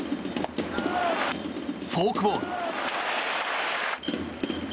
フォークボール。